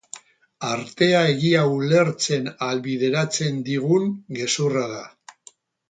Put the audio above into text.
Artea egia ulertzen ahalbideratzen digun gezurra da.